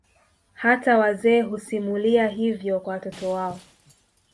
Hata wazee husimulia hivyo kwa watoto wao